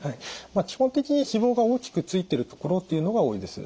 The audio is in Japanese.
まあ基本的に脂肪が大きくついてるところっていうのが多いです。